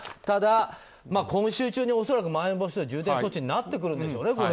ただ、今週中に恐らくまん延防止等重点措置になってくるんでしょうね